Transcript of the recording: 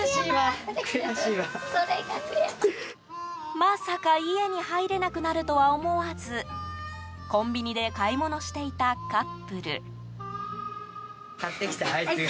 まさか家に入れなくなるとは思わずコンビニで買い物していたカップル。